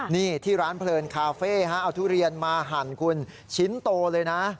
นี่ที่ร้านเพลินคาเฟ่เอาทุเรียนมาหั่นคุณชิ้นโตเลยนะ